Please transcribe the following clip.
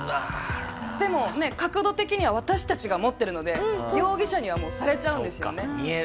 でも角度的には私たちが持ってるので容疑者にはもうされちゃうんですよね。